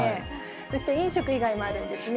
そして飲食以外もあるんですね。